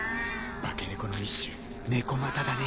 化け猫の一種猫又だね。